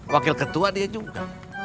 wakil ketua dia juga